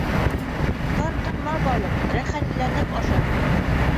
Тартынма, балыҡ, рәхәтләнеп аша.